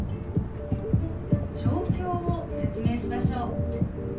状況を説明しましょう。